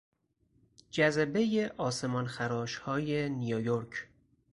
جذبهی آسمانخراشهای نیویورک